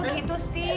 lera kok gitu sih